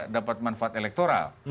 dapat manfaat elektoral